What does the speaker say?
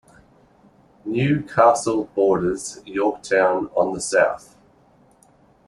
New Castle borders Yorktown on the south.